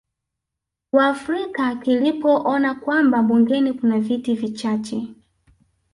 Waafrika kilipoona kwamba bungeni kuna viti vichache